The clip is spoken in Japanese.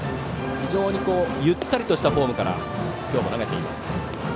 非常にゆったりしたフォームから今日も投げています。